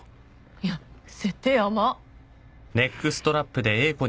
いや設定甘っ。